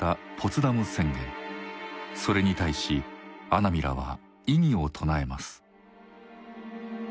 それに対し阿南らは異議を唱えます。